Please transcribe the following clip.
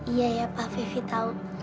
iya ya pak vivi tahu